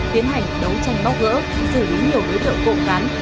tiến hành đấu tranh bóc gỡ giữ đúng nhiều đối tượng cộng cán